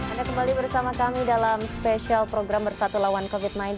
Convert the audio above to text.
anda kembali bersama kami dalam spesial program bersatu lawan covid sembilan belas